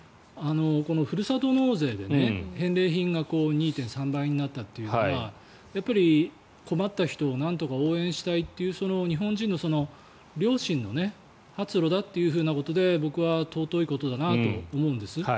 このふるさと納税で返礼品が２．３倍になったというのはやっぱり困った人をなんとか応援したいという日本人の良心の発露だということで僕は尊いことだなと思うんです。